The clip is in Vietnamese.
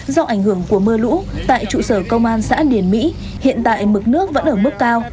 do ảnh hưởng của mưa lũ tại trụ sở công an xã điển mỹ hiện tại mực nước vẫn ở mức cao